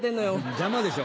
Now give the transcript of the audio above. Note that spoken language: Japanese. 邪魔でしょ